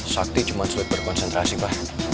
sakti cuma sulit berkonsentrasi pak